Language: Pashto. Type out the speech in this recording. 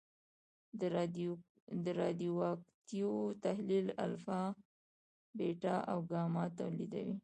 د رادیواکتیو تحلیل الفا، بیټا او ګاما تولیدوي.